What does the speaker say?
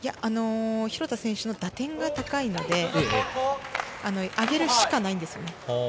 廣田選手の打点が高いので、上げるしかないんですよ。